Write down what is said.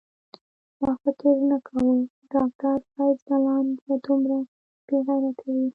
ما فکر نه کاوه چی ډاکټر فیض ځلاند به دومره بیغیرته وی